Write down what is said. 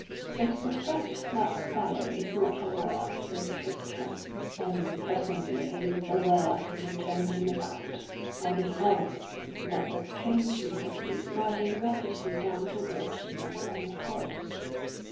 At the first that fellow was not aware of Sir Tristram; then presently he was aware of him and turned him about, and beheld that a strange knight was riding rapidly down toward him upon a horse.